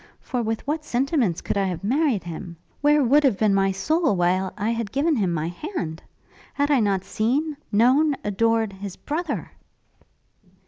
For with what sentiments could I have married him? Where would have been my soul while I had given him my hand? Had I not seen known adored his brother!'